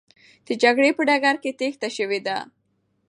د جګړې په ډګر کې تېښته سوې.